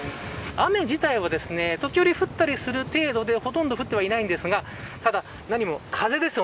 雨自体は時折、降ったりする程度でほとんど降ってはいないんですが風です。